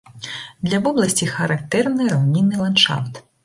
Для вобласці характэрны раўнінны ландшафт.